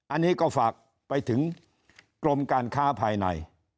อันนี้ก็ฝากไปถึงกรมการค้าภายใน